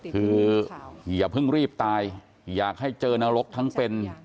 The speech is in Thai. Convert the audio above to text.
คืออย่าเพิ่งรีบตายอยากให้เจอนรกทั้งเป็น